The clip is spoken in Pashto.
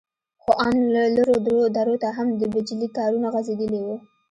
خو ان لرو درو ته هم د بجلي تارونه غځېدلي وو.